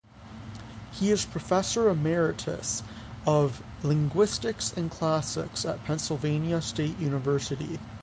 He is Professor Emeritus of Linguistics and Classics at Pennsylvania State University.